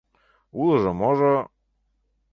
— Улыжо-можо...